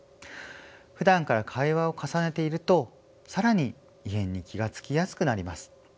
ふだんから会話を重ねていると更に異変に気が付きやすくなります。